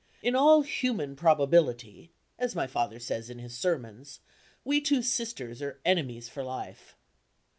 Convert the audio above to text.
"In all human probability" (as my father says in his sermons), we two sisters are enemies for life.